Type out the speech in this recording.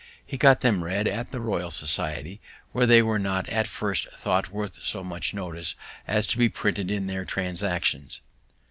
He got them read in the Royal Society, where they were not at first thought worth so much notice as to be printed in their Transactions.